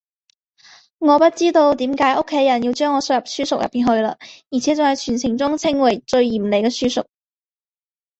我不知道为什么家里的人要将我送进书塾里去了而且还是全城中称为最严厉的书塾